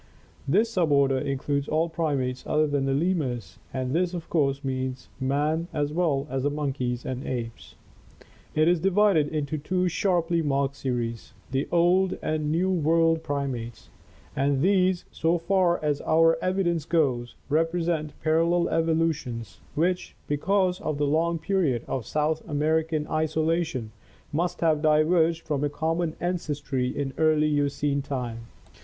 This suborder includes all primates other than the lemurs and this of course means man as well as the monkeys and apes. It is divided into two sharply marked series, the Old and New World primates, and these, so far as our evidence goes, represent parallel evolutions which because of the long period of South American isolation (see page 65) must have diverged from a common an cestry in early Eocene time.